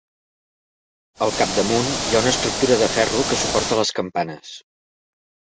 Al capdamunt hi ha una estructura de ferro que suporta les campanes.